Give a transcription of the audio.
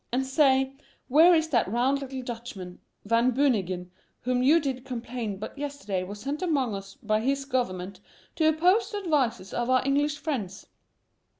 And, stay; where is that round little Dutchman, Van Beunigen, whom you did complain but yesterday was sent among us by his government to oppose the advices of our English friends.